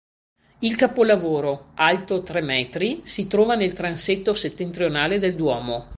Il capolavoro, alto tre metri, si trova nel transetto settentrionale del duomo.